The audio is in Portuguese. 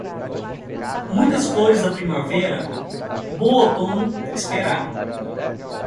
Muitas flores da primavera, bom outono esperar.